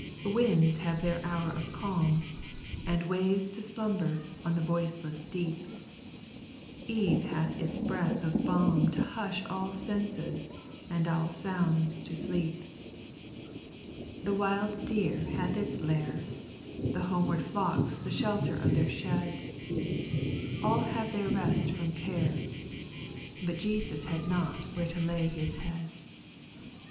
2. Winds have their hour of calm. And waves to slumber on the voiceless deep, Eve hath its breath of balm To hush all senses and all sounds to sleep. SPIRITUAL SONGS. 278 Si The wild deer hath its lair, •' The homeward flocks the shelter of their shed, All have their rest from care r But Jesus had not whore to lay His head.